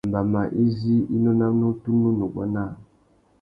Mbama izí i nônamú tunu nuguá naā.